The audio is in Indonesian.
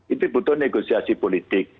itu butuh negosiasi politik